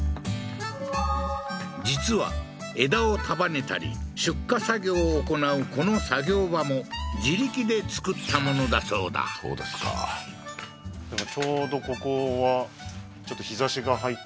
実は枝を束ねたり出荷作業を行うこの作業場も自力で造ったものだそうだそうですかあっははは